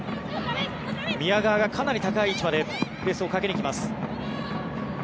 宮川がかなり高い位置までプレスをかけに来ます。